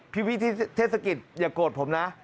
พี่ที่เทศกิจอย่าโกรธผมนะ